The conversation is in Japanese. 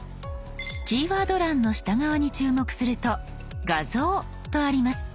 キーワード欄の下側に注目すると「画像」とあります。